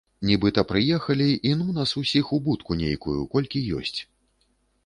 Нібыта прыехалі, і ну нас усіх у будку нейкую, колькі ёсць.